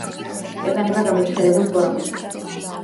ეტანება გამეჩხერებულ კორომებს.